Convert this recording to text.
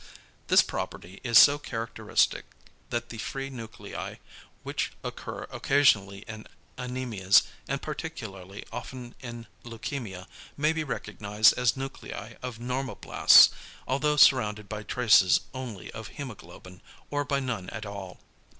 This property is so characteristic that the free nuclei, which occur occasionally in anæmias, and particularly often in leukæmia, may be recognised as nuclei of normoblasts, although surrounded by traces only of hæmoglobin, or by none at all.